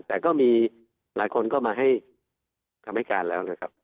แต่ก็มีหลายคนก็มาให้คำให้การแล้วนะครับ